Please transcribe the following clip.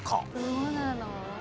どうなの？